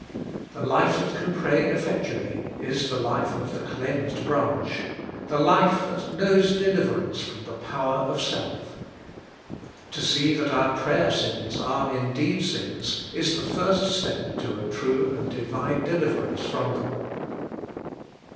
The life that can pray effectually is the life of the cleansed branch the life that knows deliverance from the power of self. To see that our prayer sins are indeed sins, is the first step to a true and Divine deliverance from them.